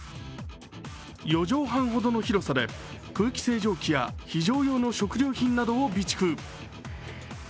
４畳半ほどの広さで空気清浄機や非常用の食料品などを備蓄。